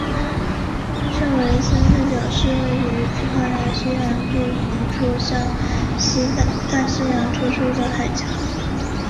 圣维森特角是位于葡萄牙西南部一处向大西洋突出的海岬。